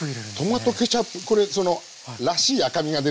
トマトケチャップこれらしい赤みが出るじゃないですか。